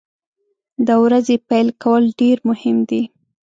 د ورځې پیل کول ډیر مهم دي.